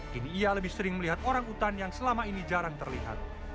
kini ia lebih sering melihat orang utan yang selama ini jarang terlihat